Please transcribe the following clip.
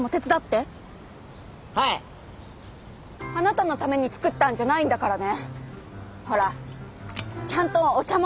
だからあなたのために作ったんじゃないんだからね！